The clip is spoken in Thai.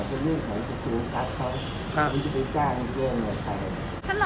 มีการนอกมือไม่เกี่ยวทำให้เรื่องของตาร์ดสูตรกัสเขาเค้าต้องไปจ้าง